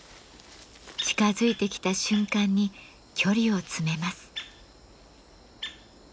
近づいてきた瞬間に距離を詰めます。